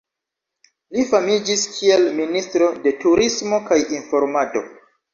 Li famiĝis kiel ministro de Turismo kaj Informado.